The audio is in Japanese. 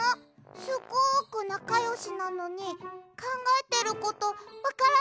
すごくなかよしなのにかんがえてることわからなかったの？